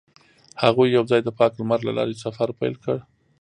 هغوی یوځای د پاک لمر له لارې سفر پیل کړ.